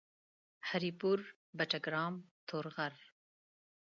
هري پور ، بټګرام ، تورغر